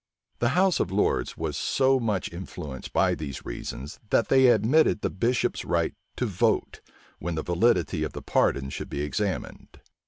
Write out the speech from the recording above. The house of lords was so much influenced by these reasons, that they admitted the bishops' right to vote, when the validity of the pardon should be examined.